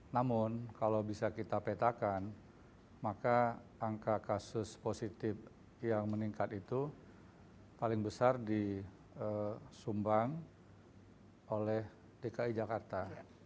namun kalau bisa kita petakan maka angka kasus positif yang meningkat itu paling besar disumbang oleh dki jakarta